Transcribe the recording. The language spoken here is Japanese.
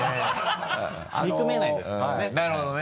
憎めないんですけどね。